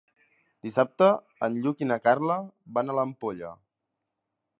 Dissabte en Lluc i na Carla van a l'Ampolla.